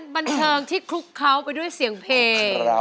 บันเทิงที่คลุกเขาไปด้วยเสียงเพลง